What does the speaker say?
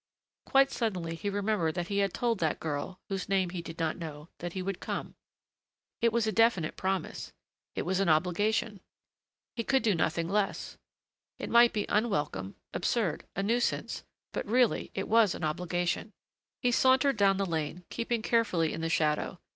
Quite suddenly he remembered that he had told that girl, whose name he did not know, that he would come. It was a definite promise. It was an obligation. He could do nothing less. It might be unwelcome, absurd, a nuisance, but really it was an obligation. He sauntered down the lane, keeping carefully in the shadow.